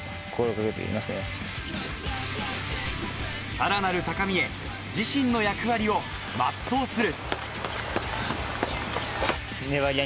さらなる高みへ、自身の役割を全うする。